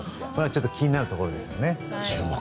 ちょっと気になるところですね。